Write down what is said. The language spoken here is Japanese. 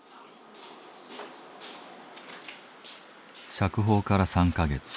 釈放から３か月。